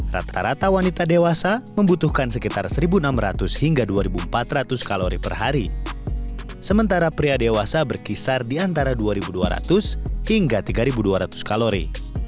rata rata wanita dewasa membutuhkan sekitar satu enam ratus hingga dua ribu empat ratus kalori per hari sementara pria dewasa berkisar di antara dua dua ratus hingga tiga ribu dua ratus kalori